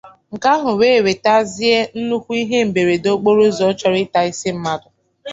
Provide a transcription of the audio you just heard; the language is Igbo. nke ahụ wee wètazie nnukwu ihe mberede okporoụzọ chọrọ ịta isi mmadụ.